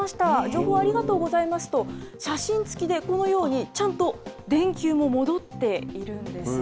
情報ありがとうございますと、写真付きでこのようにちゃんと電球も戻っているんです。